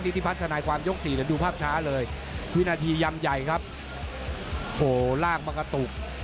ที่พัฒนาความยกสี่เดี๋ยวดูภาพช้าเลยวินาทียำใหญ่ครับโหล่างมากระตุก